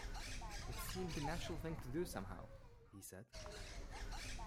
"It seemed the natural thing to do somehow," he said.